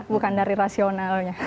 bukan dari rasionalnya